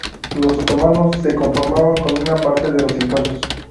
Los otomanos se conformaban con una parte de los impuestos.